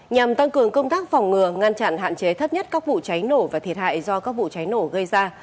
nhằm tăng cường công tác phòng ngừa ngăn chặn hạn chế thấp nhất các vụ cháy nổ và thiệt hại do các vụ cháy nổ gây ra